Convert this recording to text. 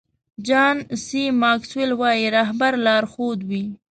جان سي ماکسویل وایي رهبر لارښود وي.